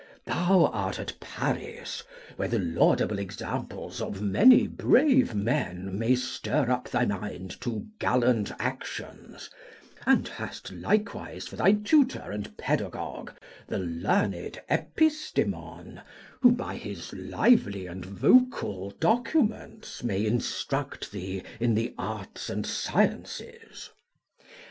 Thou art at Paris, where the laudable examples of many brave men may stir up thy mind to gallant actions, and hast likewise for thy tutor and pedagogue the learned Epistemon, who by his lively and vocal documents may instruct thee in the arts and sciences.